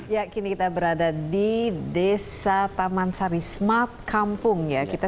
ya kini kita berada di desa taman sarismat kampung ya